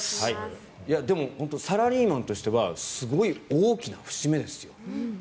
でもサラリーマンとしてはすごい大きな節目ですよ。